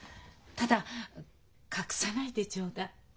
ただ隠さないでちょうだい。